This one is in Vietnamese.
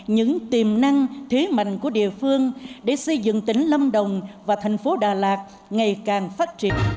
những tiềm năng thế mạnh của địa phương để xây dựng tỉnh lâm đồng và thành phố đà lạt ngày càng phát triển